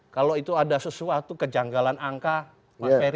kalau itu ada sesuatu kejanggalan angka mas ferry